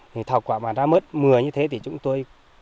thì thảo quả mà đã mất mưa như thế thì chúng tôi